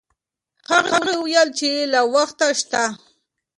هغې وویل چې لا وخت شته.